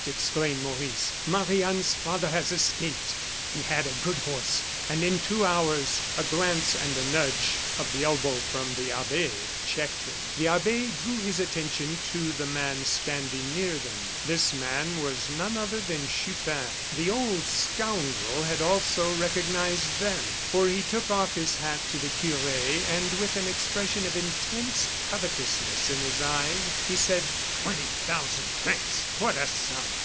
exclaimed Maurice, "Marie Anne's father has escaped! He had a good horse, and in two hours " A glance and a nudge of the elbow from the abbe checked him. The abbe drew his attention to the man standing near them. This man was none other than Chupin. The old scoundrel had also recognized them, for he took off his hat to the cure, and with an expression of intense covetousness in his eyes, he said: "Twenty thousand francs! what a sum!